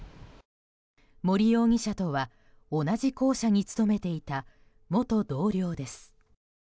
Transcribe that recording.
森容疑者とは同じ校舎に勤めていた、元同僚です。